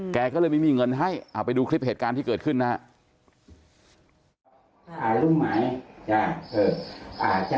แกก็เลยไม่มีเงินให้เอาไปดูคลิปเหตุการณ์ที่เกิดขึ้นนะฮะ